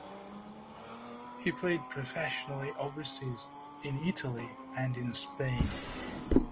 He played professionally overseas in Italy and in Spain.